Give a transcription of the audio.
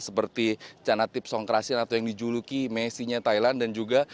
seperti canatip songkrasin atau yang dijuluki messinya thailand dan juga